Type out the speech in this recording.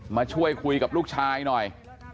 มาช่วยคุยกับลูกชายหน่อย